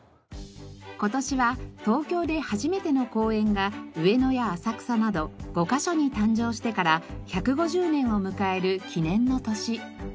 今年は東京で初めての公園が上野や浅草など５カ所に誕生してから１５０年を迎える記念の年。